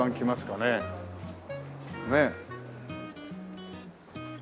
ねえ。